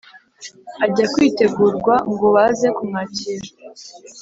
ajya kwitegurwa ngo baze kumwakira